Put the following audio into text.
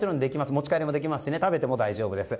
持ち帰りもできますし食べても大丈夫です。